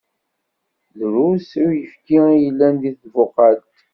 Drusn uyefki i yellan deg tbuqalt.